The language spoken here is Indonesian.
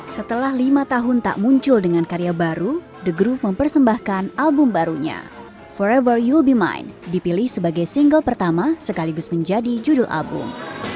setelah lima tahun tak muncul dengan karya baru the groove mempersembahkan album barunya forever youl ⁇ bemin dipilih sebagai single pertama sekaligus menjadi judul album